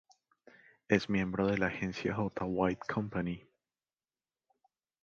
Es miembro de la agencia "J,Wide-Company".